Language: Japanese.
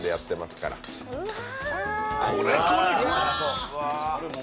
これこれこれ！